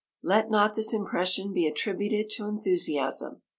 Let not this impression be attributed to enthusiasm.